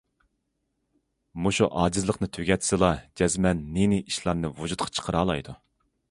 مۇشۇ ئاجىزلىقىنى تۈگەتسىلا، جەزمەن نى- نى ئىشلارنى ۋۇجۇدقا چىقىرالايدۇ.